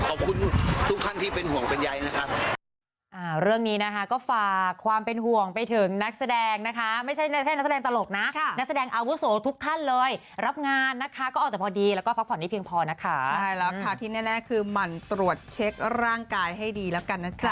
ขอบคุณทุกท่านที่เป็นห่วงเป็นใยนะครับ